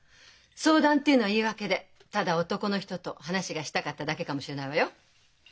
相談っていうのは言い訳でただ男の人と話がしたかっただけかもしれないわよ。